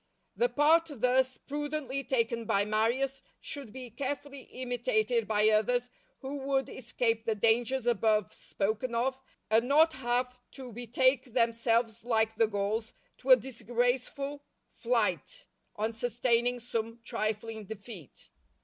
The part thus prudently taken by Marius, should be carefully imitated by others who would escape the dangers above spoken of and not have to betake themselves like the Gauls to a disgraceful flight, on sustaining some trifling defeat.